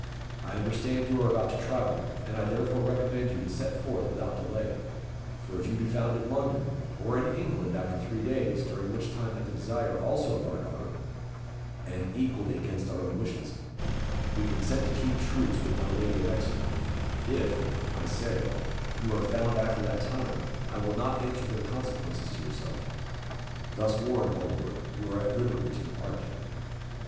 I understand you are about to travel, and I therefore recommend you to set forth without delay, for if you be found in London, or in England, after three days, during which time, at the desire also of our daughter and equally against our own wishes we consent to keep truce with my lady of Exeter; if, I say, you are found after that time, I will not answer for the consequences to yourself. Thus warned, my Lord, you are at liberty to depart."